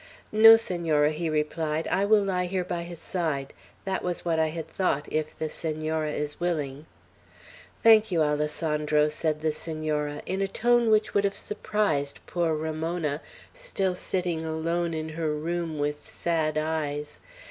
"No, Senora," he replied. "I will lie here by his side. That was what I had thought, if the Senora is willing." "Thank you, Alessandro," said the Senora, in a tone which would have surprised poor Ramona, still sitting alone in her room, with sad eyes.